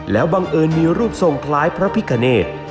แล้วบังเอิญมีรูปทรงคล้ายพระพิกาเนต